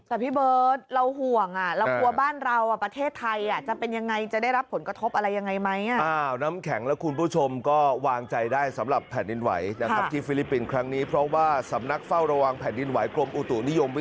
แต่พี่เบิร์ดเราห่วงเรากลัวบ้านเราประเทศไทยจะเป็นยังไง